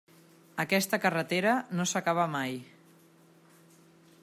Aquesta carretera no s'acaba mai.